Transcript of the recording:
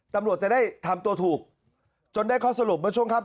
ตำรวจจะได้ทำตัวถูกจนได้ข้อสรุปเมื่อช่วงค่ำ